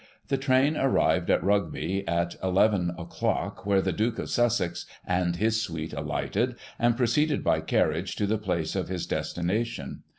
The train arrived at Rugby at 11 o'clock, where the Duke of Sussex and his suite alighted, and proceeded by carriage to the place of his destination.